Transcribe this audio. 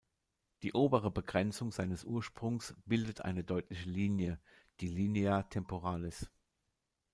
Die obere Begrenzung seines Ursprungs bildet eine deutliche Linie, die "Linea temporalis".